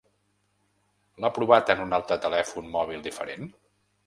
L'ha provat en un altre telèfon mòbil diferent?